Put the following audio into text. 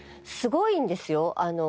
すごいんですよ。